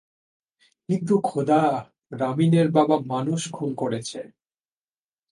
কিন্তু খোদা, রামিনের বাবা মানুষ খুন করেছে!